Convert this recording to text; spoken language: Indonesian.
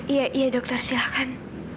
iya dokter silahkan